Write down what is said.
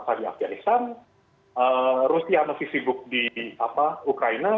saudi afghanistan rusia masih sibuk di ukraina